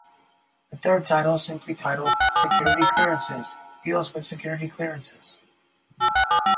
The third title, simply titled "Security clearances", deals with security clearances.